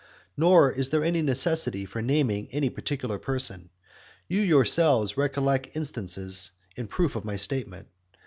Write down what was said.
Nor is there any necessity for naming any particular person; you yourselves recollect instances in proof of my statement.